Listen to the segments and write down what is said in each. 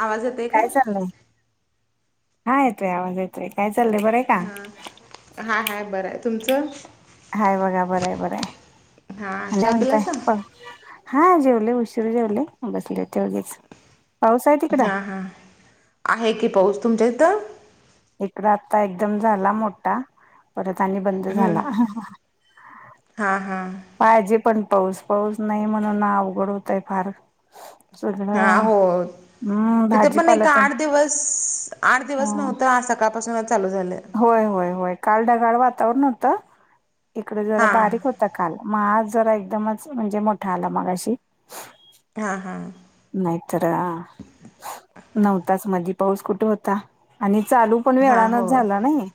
आवाज येतोय काय चाललंय हा येतोय आवाज येतो आहे काय चाललंय बर हा हा हाय बरं आहे तुमचं हाय बघा बरं आहे बरं आहे हां आणि चहा म्हणताय पिलासा? प हा जेवले उशीर जेवले बसले तेवढेच पाऊस आहे त हां हां आहे की पाहस तुमच्या इथं इकड आता एकदम झाला मोठा परत आणि बंद झाला हां हां पाहिजे पण पाऊस पाऊस नाही म्हणून अवघड होतय फार सगळं हा हो हम्म तिथे पण भाजीपाला एक तेन आठ दिवस आठ दिवस हा नव्हतं आज सकाळपासून चालू झालं होय होय होय काल ढगाळ वातावरण होतं इकडे जरा हां बारीक हो काल मग आाज जरा एकदमच म्हणजे मोठा आला मागाशी हा हा नाहीत नऊ तास मध पाऊस कुठे होता आणि चालू पण हां वेळानच होय. झाला नाही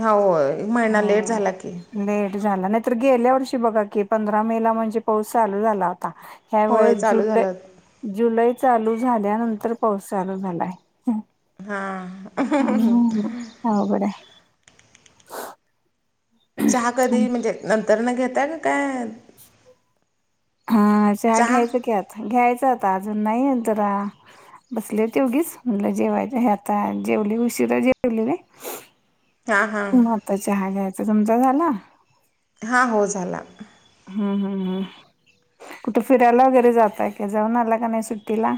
होय एक महिना लेट हो झाला की लेट झाला नाहीतर गेल्या वर्षी बघा कि पंधरा मे ला म्हणजे पाऊस चालू झाला आता ह्या होय वळेस चालू जुलै झालं. जुलै चालू झाल्यानंतर पाऊस चालू झालाय हां हम हबड आहे चहा कधी म्हणजे नंतर न घताय काय हा च हा चहा? घ्यायच की आता घ्यायचं आता अजून नाहींत बसले ते उघीच म्हणलं जेवाय हे आता जेवले उशीिररा जेवली नाही हा हा तर चहा घ्यायचा समजा झाला हा हो झाला हम् हम्म हम् कुठं फिरायला वगैरे जातय का जऊन आला का नाही सुट्टीला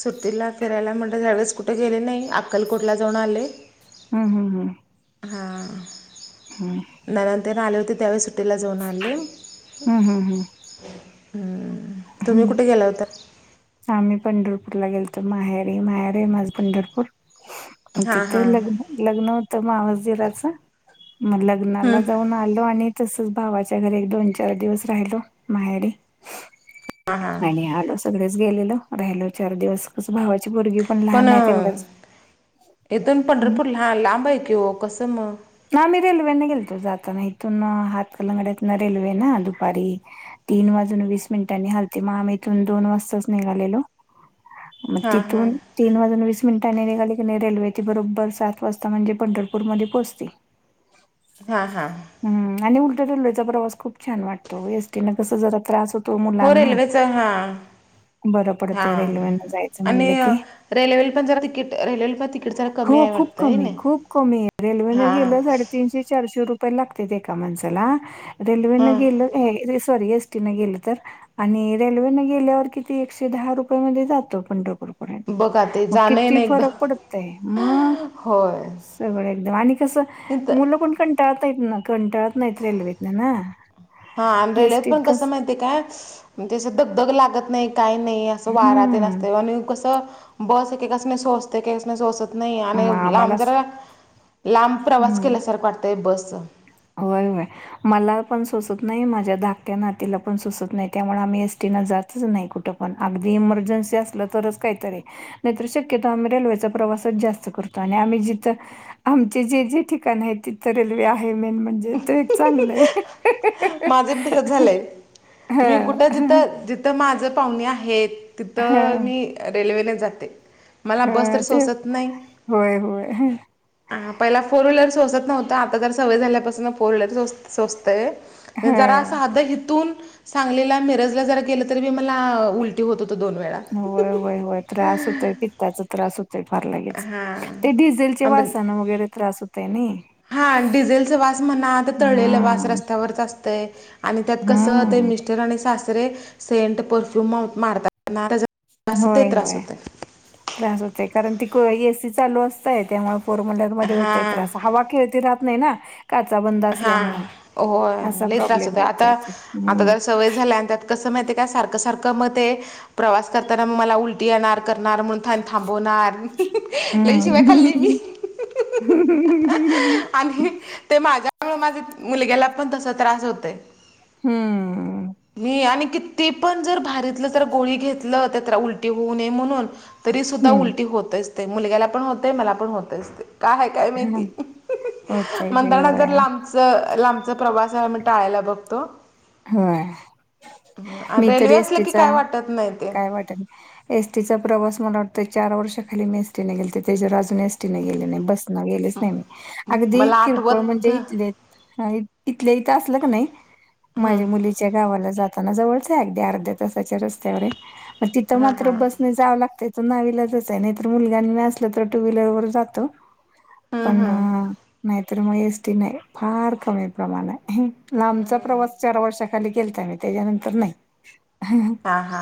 सुट्टीला फिरायला म्हणत त्यावेळेस कुठे गेले नाही अक्कलकोटला जाऊन आले हम हम हम हा. हम. आले होते त्यावेळेस सुट्टीला जाऊन आले. हम्म हम्म हम्म तुम्ही हम्म कुठे गेला होत. आम्ही पंढरपूर ला गेलो माहेरी माहेरी माझ पंढरपूर. हां तिथं हां लग्न लग्न होतं मावसजिराचं. मग लग्नाला हं. जाऊन आलो आणि. तसच भावाच्या घरी एक दोन चार दिवस राहिलो माहेरी. आणि आलो सगळेच गेलेलो राहिलो चार दिवस कसं भावाची पोरगी पण लहान आहेत तेवढंच. इथुन पंढरपूर ला लांब आहे की हो कसं मग. ना मी रेल्वेने गेलतो जाताना इथून हातकलंगड्यात ना रेल्वे ना दुपारी. तीन वाजून वीस मिनिटांनी हलते मग आम्ही इथून दोन वाजताच निघालेलो. मग हां हां तिथून. तीन वाजून वीस मिनिटांनी निघाली क रेल्वेती बरोबर सात वाजता म्हणजे पंढरपूर मध्ये पोहोचती. हा हा. हम्म आणि उलटं रेल्वेचं प्रवास खूप छान वाटतो एसटी न कस जरा त्रास होत. तो हो मुलांना रेल्वेचं हां बरं पडते रेल्वे न जायचं म्हणले की. रेल्वेल पण जरा तिकिट रल्वे पण. तिकीट जरा कमी हो आहे खूप वाटतं आहे कमी ना खूप कमी रेल्वेने हां गेलं साडेतीनशे चारशे रुपये. य लागते एका माणसाला रेल्वेनं हां गेल सॉरी एसटी न गेल तर. आणि रेल्वेने गेल्यावर किती एकशे दहा रुपय मध्ये जातो पंढरपुर. बघा ते मग जाणं किती येणं फरक पडतो. एकदा ते मग होय सगळं एकदम आणि कस इथं मुलं कोण कंटा. प्यात हथनं कंटाळत नाहीत रेल्वेतन ना. हा आणि रेल्वेत एसटीत पण कसं कस माहितीये काय म्हणजे घगदग लागत नाही. काही नाही असं वारात हम्म आसतय बगा आणि कसं बस एकेकासनी सोसते कस सोसत नाही. नाही मग आणि आम्हाला लांब जरा लांब प्रवास हम्म. केल्यासारखं वाटतंय बस. होय होय. मला पण सोसत नाही माझ्या धाकट्या नातीला पण सोसत नाही त्यामुळे आम्ही एसटी न जातच नाही कुठं. पण अगदी इमर्जन्सी असलं तरच काहीतरी. नाहीतर शक्यत आम्ही रेल्वेचा प्रवासच जास्त करतो आणि आम्ही जिथं. आमचे जे जे ठिकाण आहे तिथं रेल्वे आहे मेन म्हणजे ते एक चांगलं आहे. माझं पण तसं झालंय मी हां, कुठं हां, जिथं जिथं माझ पाहुणे आहेत. तिथं हां, मी रेल्वेने जाते. मला बस तर हां. ते सोसत नाही. होय, होय. हा पहिला फोर व्हीलर सोसत नव्हतं आता तर सवय झाल्यापासून फोर व्हीलर सोचतय. जरा हां. साध हिथुन सांगलीला मिरज ला जरा गेलं. तरी बी मला उलटी होत होतं दोन वेळा. त्याचा त्रास होतय फार लागेच हा ते डिझेल आंबे वासान वगैरे त्रास होतय ना. हा डिझेलचा वास म्हणाता तळलेला वास हम्म रस्त्यावरच असतंय आणि त्यात कसं ते मिस्. हम्म मिस्टर आणि सासरे सेंट परफ्यूम मार. होय होय. त्रास होतोय कारण ती एसी चालू असतय त्यामुळे फोरव्हीरल. हा हवा खेळती राहत नाही ना. हा असल्यामुळे हो होय असा लय त्रास प्रॉब्लेम होतोय आता येतोय ते आता हम्म जरा सवय झाल्या. कस माहितीये का सारख सारखं म ते प्रवास करताना मला उलटी. कधी येणार करणार म्हणून थान थांबवणार लई शिव्या खाल्ली मी. हं हं हं हं हम्म. आणि ते माझ्यामुळे माझ्या मुलग्याला पण तस त्रास होतय. हम. मी आणि किती पण जर भरीतली जर गोळी घेतली. त्या उलटी होऊ नये म्हणून तरी सुद्धा उलटी हम्म होतेच. मुलग्याला पण होते मला पण होतच काय काय माहिती होतय ते म्हणताना होय लांबच लांबचा प्रवास मी टाळायला बघतो. होय आणि मी रेल्वे तरी असलं की एसटीचा काय वाटत नाही ते काय वाटल. एसटीचा प्रवास मला वाटतोय चार वर्षाखाली मी एस टी न गेलते त्याच्यावर अजून एसटीने गेले नाही बसन गेले. नाही म अगदी मला किरकोळ आठवत म्हणजे हा इथले इथले इथं असलं का नाही माझ्या मुलीच्या गावाला जाताना जवळच अध्या अर्ध्या तासाच्या रस्त्यावर तिथं मात्र हा बस जावं लागतं इथ नावीलाजच आहे नाही तर मुलगां असलं तर टू व्हीलरवर जातो. पण नाहीतर मग एसटी नाही फार कमी प्रमाण आहे. लांबचा प्रवास चार वर्षाखाली केलाता मी त्याच्यानंतर नाही हा हा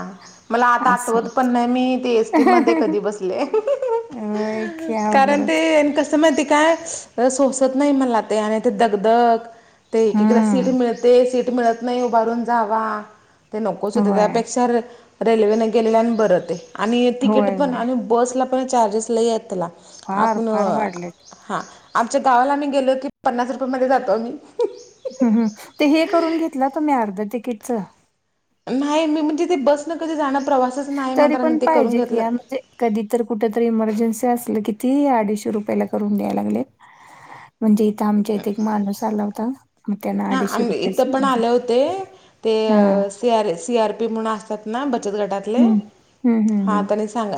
मला आता आठवत असं पण नाही ते मी एसटी मध्ये कधी बसले होय की बसले कारण ते अवघडच त माहिती काय सोसत नाही मला ते आणि ते दगधग ते एकीकला सीट हम्म मिळते सीट मिळत नाही उभारून जावा ते नकोच होते होय रीतसर रेल्वेने गेलेल्या बरं तिकीट होय पण होय आणि बसला आणि बसला पण चार्जेस लय आहेत फार आपण फार वाढलेत हा आमच्या गावाला आम्ही गेलो की पन्नास रुपयमध्ये जातो आम्ही हम्म हम ते हे करून घेतला तुम्ही अर्ध तिकीटच? नाही मी म्हणजे ते बसन कधी जाणं प्रवास तरी पण पाहिजे की या म्हणजे कधी तर कुठ तरी इमर्जन्सी असलं कि ती अडीचशे रुपयाला करून द्या लागले. म्हणजे इथं आमच्या इथे एक माणूस आला होता. मग त्यांना हा अडीचशे आम्ही इथं रुपयाची पण मध्ये आले होते ते हा C R C R P म्हणून असतात. ना बचत गटातले हम्म हम्म हा हम्म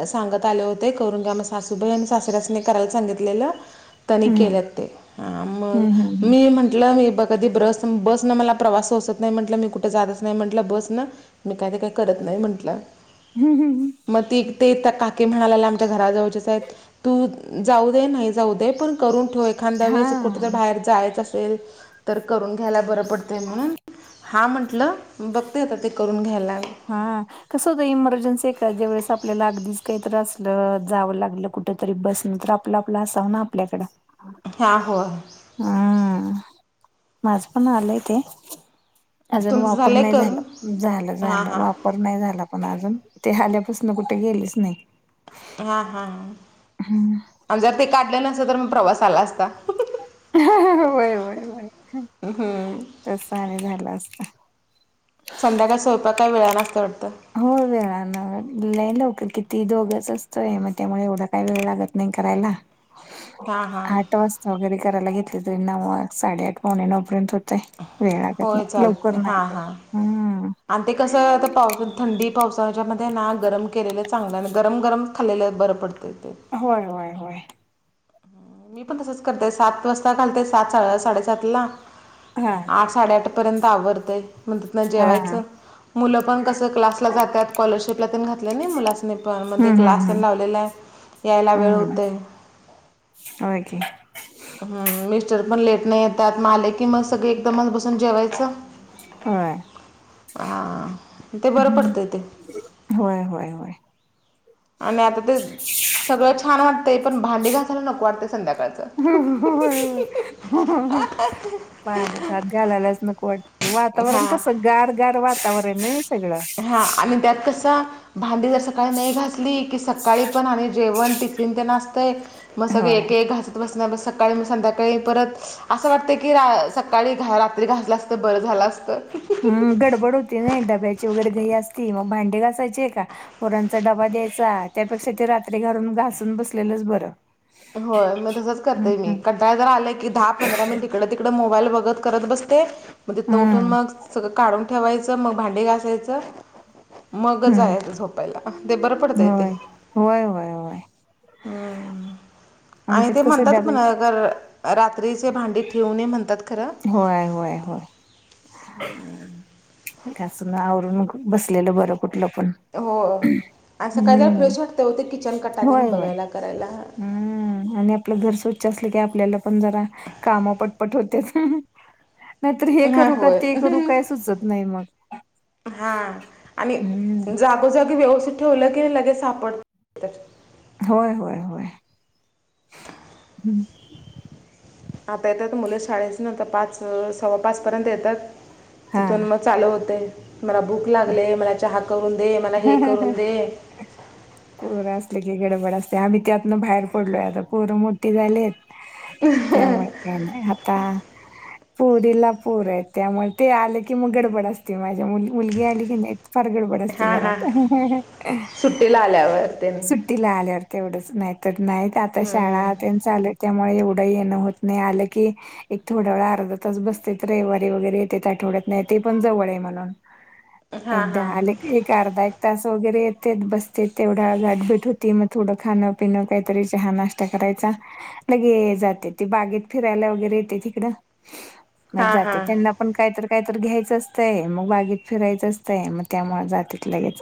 सांगत आले होते करून घ सासूबाई आणि सासुरासने करायला सांगितलेलं त्यांनी हम्म केल्यात ते मग हम्म हम्म हम्म मी म्हंटलं मी बघ कधी बस बसन मला प्रवास सोसत नाही म्हटलं मी कुठे जातच नाही म्हटलं बस न मी काही ते काही करत नाही म्हंटलं हम्म हम्म मग त ते काकी म्हणाला आमच्या घराजवळच्या तु जाऊ दे तू जाऊ दे नाही पण करून ठेव एखाद वेळेस कुठं हा बाहेर जायचं असेल तर करून घ्याय बरं पडते म्हणून हा म्हंटलं बघते येत ते करून घ्यायला हा कसं होत इमर्जन्सी ए ज्या वेळेस आपल्याला अगदीच काही तर असलं जावं लागलं कुठेतरी बसने तर आपल आपला असावं ना आपल्याकडें हा हो हम्म माझं पण आलंय ते अजून तुमचं वापर झालं आहे नाही करून झाला झालं हां झालं हां वाप पर नाही झाला पण अजून ते आल्यापासून कुठे गेलेच नाही हा हा हा हम्म. आणि जर ते काढलं नसतं तर मग प्रवास आला असता होय वय वय तसं आणि झालं असतं संध्याकाळ स्वयंपाक काय वेळा असते वाटतं हो वेळ न लवककर किती दोघचं असतोय मग त्यामुळे एवढा काय वेळ लागतं नाही करायला हां हां आठ वाजता वगैरे करायला घेतले तरी ना मग साडेआठ पावणे नऊपर्यंत होते वेळा लागत होय नाही चालतं लवकर नाही हां करत हां हम्म आणि ते कसं आता पावसा थंडी पावसाच्यामध्ये ना गरम केलेलं चांगलं गरम गरम खाल्ला बरं पडतं ते होय होय होय मी पण तसच करते सात वाजता घालते सात साडेसात ला हा आठ साडेआठ पर्यंत आवरते मग तिन हा जेवायचं मुलं पण कसं क्लासला जातात स्कॉलरशिपला घातले नाही मुलानी पण मध्ये हम्म क्लास हम्म हम्म लावलेला आहे. यायला वेळ होते आण की हम मिस्टर पण लेट नाही येतात माले की मग सगळे एकदमच बसून जेवायचं होय. हा ते बरं पडतंय ते होय होय होय आणि आता ते सगळं छान वाटतय पण भांडी घासायला नको वाटते संध्याकाळ पान झाात घालालाच नक वाट वातावरण हां कस गाारगार वातावरण सगळं हा आणि त्यात कसं भांडी जर सकाळी नाही घासली की सकाळी पण आणि जेवण ट पिन ते नाचतं आहे मग सगळ होय. एक एक घासत बसता सकाळी मग संध्याकाळी परत असं वाटत की सकाळी रात्री घासला असत बरं झालं असत हम गडबड होती नाही डब्याची वगैरे घई असती मग भांडे घासायचे का होोरांचा डबा द्यायचा त्यापेक्षा ते रात्री घाून घासून बसलेलंच बरं होय मग तसंच हम्म करतेय मी हम्म. कंटाळ जर आलंय की दहा पंधरा मिनिट इकड तड मोबाईल बघत करत बसते मग तिथनं उठून हम्म मग सगळं काढून ठेवायचं मग भांडे घासायचं मगच हम्म याचं झोपायला ते बरं पडतंय ते होय होय वय होय हम्म आणि आमच्यात ते कसं म्हणतात डबे पुणगर रात्रीचे भांडी ठेवू नये म्हणतात खरं होय होय होय हम्म काासून आवरून बसलेलं बरं कुठलं पण हो सकाळी जर हम्म फ्रेश वाटते होते किचन कटात आणि होय होय बघायला करायला हम्म आणि आपलं घर स्वच्छ असलं की आपल्याला पण जरा काम पटपट होत्याच नाहीतर हे हां करू का होय ते करू काय सुचत नाही मग हा आणि हम्म जागोजागी व्यवस्ित ठेवलं की लगेच सापड होय होय होय हम्म आता येतात तर मुलं शाळेचे नव्हत पाच सव्वा पाचपर्यंत येतात हा. तिथून मग चालू होते मला भूक लागले मला चहा करून दे मला हे करून दे पोर असले की गडबड असते आम्ही त्यातन बाहेर पडलोय आता पोरं मोठे झाले आहेत त्या ते आता पुरीला पोर आहे त्यामुळे ते आलं की मग गडबड असती माझ्या मु मुलगी आली की नाही फार गडबड हां हां घराात सुट्टीला आल्यावर ते सु तिला आल्यावर ते एवढंच नाही तर नाही आता शाळा त्यां चाले त्यामुळे एवढंही येणं होत नाही आलं की एक थोड्या वेळा अर्धा तास बसत रविवारी वगैरे येतेेत आठवड्यात नाही ते पण जवळ आहे म्हलाून हां एकदा हां अले एक अर्धा एक तास वगैरे येतेत बसते तेवढा गाठभीट होती मग थोडं खाणं पि न काहीतरी चहा नाश्ता करायचा लगे जाते ते बागेत फिरायला वगैरे येते तिकडं मग हां जाते हां त्यांना पण कायत कायत घ्यायचं असतंय मग बागेत फिरायचं असतंय मग त्यामुळे जात लगेच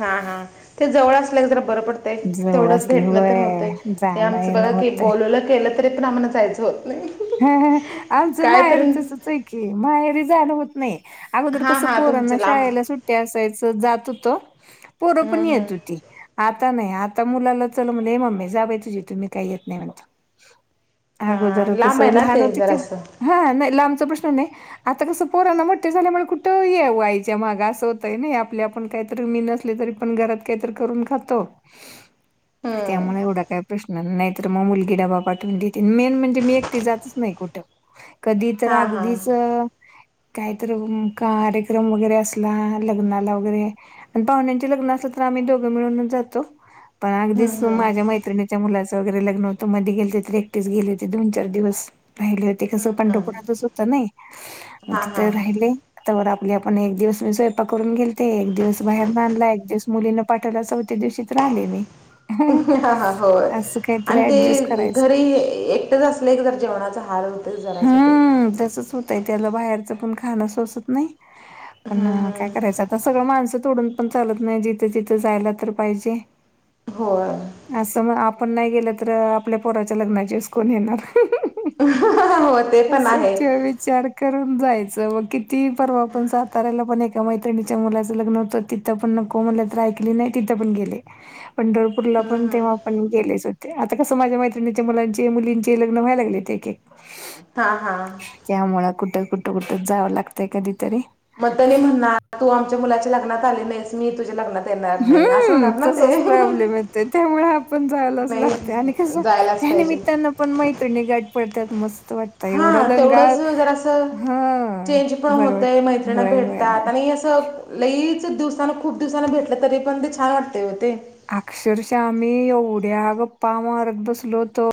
हा. हा. ते जवळ असल्यावर जरा बर पड- - तयं. जवळ तेवढंच असले भेटण होय होतयं. हे जाणं आमचं येणं बघा की होतय बोल वलं तरी पण आम्हाला जायचं होत नाही. ह. आमचं काय माहेर तरी तसच हाय की, माहेरी जायाला होत नाही. अगोदर हां कसं हां पोरांना तुमचं लांब शाळेला सुट्टी असायचं जात हुतो. पोरपण हं, हं. येत होती. आता नाही. आता मुलाला चल म्हणे. ये मम्मी जा बाई तुझी तु मी काय येत नाही म्हणतो. हा. लांब हेना ते जरासं. हा. नाही. लामचा प्रश्न नाही. आता कसं पोराला मोठे झाल्यामुळे कुठं ये आईच्या माग असं होतंय ना. आपल्या - - आपण काहीतरी मी नसले तरी पण घरात काहीतरी करून खातो. हं. त्यामुळे एवढा काय प्रश्न नाहीतर मग मुलगी डबा पाठवून देते मेन म्हणजे मी एक - - टी जातच नाही कुठ कधी तर हां हां अगदीच - - काहीत कार्यक्रम वगैरे असला लग्नाला वगैरे - - आणि पाहुण्यांचे लग्न असल तर आम्ही दोघं मिळूनच जातो. पण अगदीच माझ्या मैत्रिणीच्या मुलाचं वगैरे लग्न होतं मधी गेलेतर एकटीस गेले होते. दोन - - चार दिवस राहिले होते. कसं पंढरपुरातच होतं नई म हां तिथ हां राहिले. तर आपली आपण एक दिवस मी स्वयंपाक करून गेलते. एक दिवस बाहेर आणला. एक दिवस मुलीन - - पाठायला. चौथी दिवशी तर आले मी. हा हा होय असं काहीतरी आणि ते ऍडजस्ट करायचं घरी एक - - तेच असले जरा जेवणाचा हाल होते जरा असं ते. हं. तसच होत तयं. त्याला बाहेरच पण खाणं सोसत नाही. पण हम्म काय हम्म करायचं. आता सगळं माणसं तोडून पण चालत नाही. जिथे तिथं जायला तर पाहिजे. [inaudible] होय. असं मग आपण नाही गेलं, तर आपल्या पोराच्या लग्नाच्या वेळेस कोण येणार? हो ते [unintelligible] पण आहे सच विचार - - करून जायचं. मग किती परवा पण साताऱ्याला पण एका मैत्रिणीच्या मुलाचं लग्न होतं ति तिथ पण नको म्हणल तर ऐकली नाही. तिथं पण गेले. पंढरपूरला हम्म, पण तेव्हा पण गेलेच होते. आता कसं माझ्या मैत्रिणीच्या मुलांचे मुलीं ची लग्न व्हाय लागलेत एक एक. हा. हा. कमुळे कुठं कुठं कुठं जावं लागतंय कधीतरी. मग तनी म्हणणार तू आमच्या मुलाच्या लग्नात आली नाहीस. मी तुझ्या लग्नात येणार नाही असं हम्म. होणार ना ते. तसच प्रॉब्लेम येतोय. त्यामुळे आपण जायलाचं नाही लागतयं आणि कसं जायलाच पाहिजे. त्यानिमित्तानं पण मैत्रिणी गाठ पडत्याात. मस्त वाटत - - हा. तेवढंच जरासं हां चेंज पण बरं वाट होतंय. मैत्रिणी होय होय होय भेटत्यात आणि असं- - लईच दिवसान खूप दिवसांन भेटलं तरी पण ते छान वाटतयं ओ ते. अक्षरशा आम्ही एवढ्या गप्पा मारत बसलो होतो.